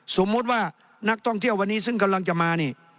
สมมุติว่านักท่องเที่ยววันนี้ซึ่งกำลังจะมานี่